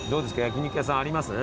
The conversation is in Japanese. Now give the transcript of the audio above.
焼肉屋さんあります？